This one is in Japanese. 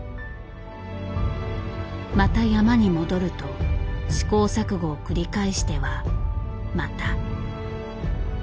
また山に戻ると試行錯誤を繰り返してはまた。